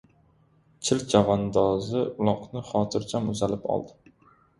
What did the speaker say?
Chil chavandozi uloqni xotirjam uzalib oldi.